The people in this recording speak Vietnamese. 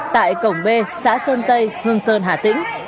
tại cổng b xã sơn tây hương sơn hà tĩnh